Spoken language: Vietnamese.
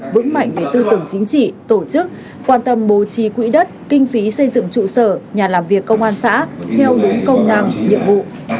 vững mạnh về tư tưởng chính trị tổ chức quan tâm bố trí quỹ đất kinh phí xây dựng trụ sở nhà làm việc công an xã theo đúng công năng nhiệm vụ